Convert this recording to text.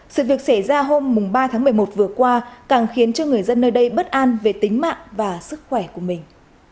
sự việc xảy ra hôm ba tháng một mươi một vừa qua càng khiến cho người dân nơi đây bất an về tính mạng và sức khỏe của mình